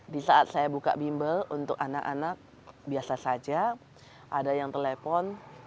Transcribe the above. di saat saya buka bimbel untuk anak anak biasa saja ada yang telepon